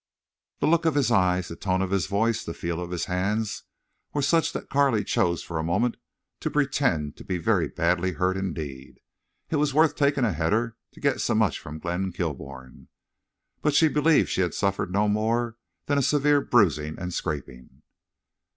The look of his eyes, the tone of his voice, the feel of his hands were such that Carley chose for a moment to pretend to be very badly hurt indeed. It was worth taking a header to get so much from Glenn Kilbourne. But she believed she had suffered no more than a severe bruising and scraping.